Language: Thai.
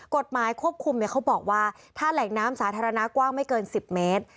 กฎหมายควบคุมเขาบอกว่าถ้าแหล่งน้ำสาธารณะกว้างไม่เกิน๑๐เมตร